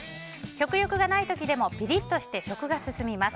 食欲がない時でもピリッとして食が進みます。